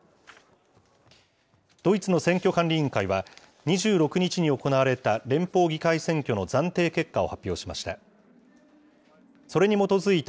ドイツの選挙管理委員会は、２６日に行われた連邦議会選挙の暫定結果を発表しました。